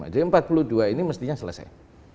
jadi empat puluh dua ini mestinya selesai